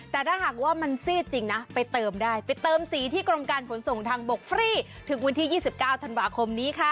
แต่ถ้าหากว่ามันซีดจริงนะไปเติมได้ไปเติมสีที่กรมการขนส่งทางบกฟรีถึงวันที่๒๙ธันวาคมนี้ค่ะ